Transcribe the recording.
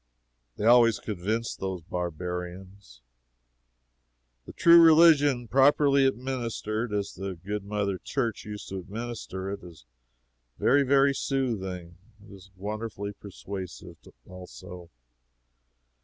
They always convinced those barbarians. The true religion, properly administered, as the good Mother Church used to administer it, is very, very soothing. It is wonderfully persuasive, also.